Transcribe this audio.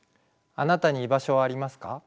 あなたに居場所はありますか？